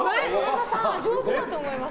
上手だと思います。